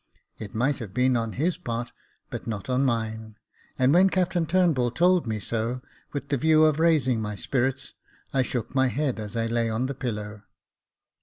It might have been on his part, but not on mine ; and when Captain Turnbull told me so, with the view of raising my spirits, I shook my head as I lay on the pillow.